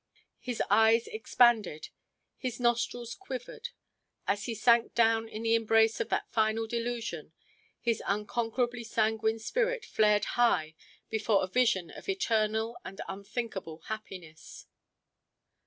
His eyes expanded, his nostrils quivered. As he sank down in the embrace of that final delusion, his unconquerably sanguine spirit flared high before a vision of eternal and unthinkable happiness.